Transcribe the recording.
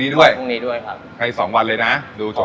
ก็เลยเริ่มต้นจากเป็นคนรักเส้น